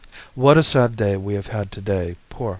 What a sad day we have had to day, poor M.